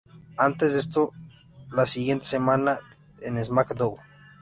Antes esto la siguiente semana en "SmackDown!